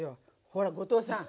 ほら後藤さん。